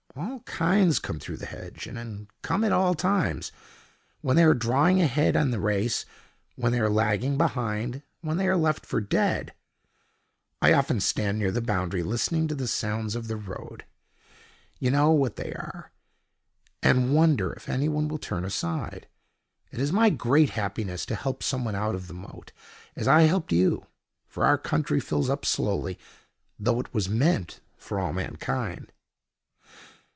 All kinds come through the hedge, and come at all times—when they are drawing ahead in the race, when they are lagging behind, when they are left for dead. I often stand near the boundary listening to the sounds of the road—you know what they are—and wonder if anyone will turn aside. It is my great happiness to help someone out of the moat, as I helped you. For our country fills up slowly, though it was meant for all mankind."